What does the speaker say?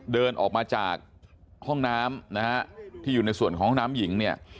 เดินออกมาจากห้องน้ำนะฮะที่อยู่ในส่วนของห้องน้ำหญิงเนี่ย